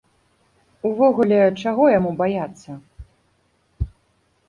Увогуле, чаго яму баяцца.